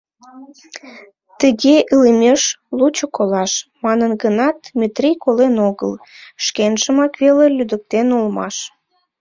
«Тыге илымеш — лучо колаш», — манын гынат, Метрий колен огыл, шкенжымак веле лӱдыктен улмаш.